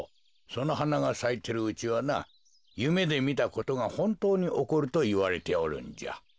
そのはながさいてるうちはなゆめでみたことがほんとうにおこるといわれておるんじゃ。